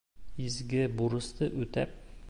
Изге бурысты үтәп.